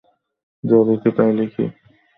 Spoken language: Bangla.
যা দেখি তাই লিখি।